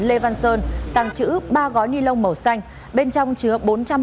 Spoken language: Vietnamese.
lê văn sơn tàng chữ ba gói ni lông màu xanh bên trong chứa bốn trăm một mươi năm